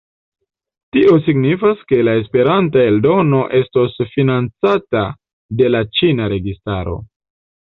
Tio signifas, ke la Esperanta eldono estos financata de la ĉina registaro.